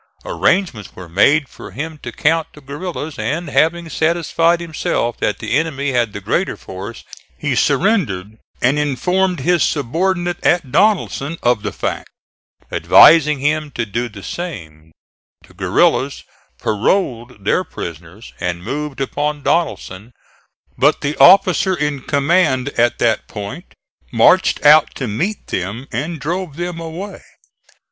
Arrangements were made for him to count the guerillas, and having satisfied himself that the enemy had the greater force he surrendered and informed his subordinate at Donelson of the fact, advising him to do the same. The guerillas paroled their prisoners and moved upon Donelson, but the officer in command at that point marched out to meet them and drove them away.